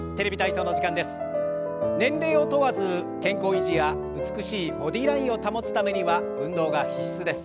年齢を問わず健康維持や美しいボディーラインを保つためには運動が必須です。